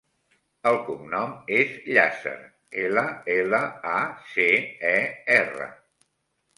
El cognom és Llacer: ela, ela, a, ce, e, erra.